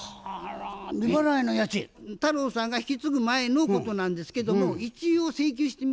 太郎さんが引き継ぐ前のことなんですけども一応請求してみたの。